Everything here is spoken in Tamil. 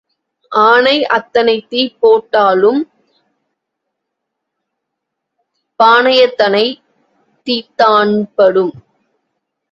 ஆனை அத்தனை தீப்போட்டாலும் பானையத்தனை தீத்தான்படும்.